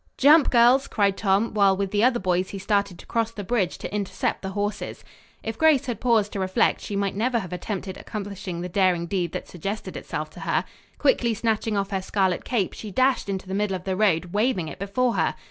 "Jump, girls!" cried Tom, while with the other boys he started to cross the bridge to intercept the horses. If Grace had paused to reflect she might never have attempted accomplishing the daring deed that suggested itself to her. Quickly snatching off her scarlet cape, she dashed into the middle of the road, waving it before her.